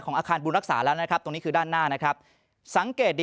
อาคารบุญรักษาแล้วนะครับตรงนี้คือด้านหน้านะครับสังเกตดี